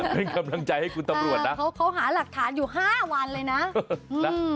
เป็นกำลังใจให้คุณตำรวจนะเขาหาหลักฐานอยู่๕วันเลยนะ